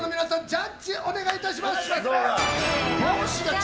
ジャッジお願いします。